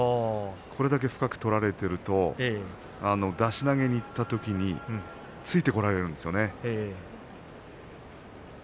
これだけ深く取られていると出し投げにいったときに突いてこられるんですよね。